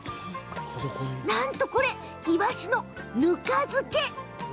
なんとこれ、いわしのぬか漬け。